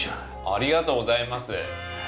ありがとうございます！